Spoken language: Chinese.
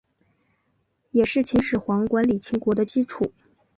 也是秦始皇管理秦国的基础。